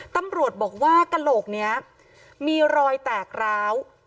ตำรวจบอกว่ากระโหลกนี้มีรอยแตกร้าว